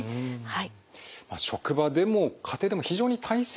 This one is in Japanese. はい。